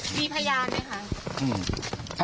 มีพยานไหมคะ